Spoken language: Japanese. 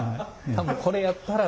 多分これやったら。